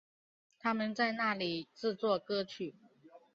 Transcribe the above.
他们在那里制作歌曲。